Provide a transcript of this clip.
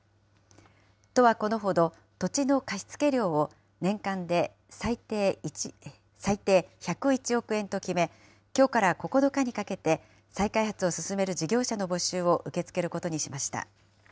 都はこのほど、土地の貸付料を、年間で最低１０１億円と決め、きょうから９日にかけて、再開発を進める事業者の募集を受け付けることにしました。